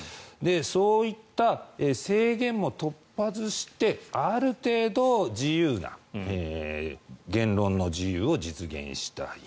そういった制限も取り外してある程度自由な言論の自由を実現したい。